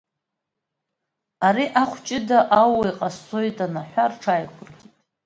Ари ахә ҷыда ауа иҟасҵоит анаҳәа, рҽааиқәыркит.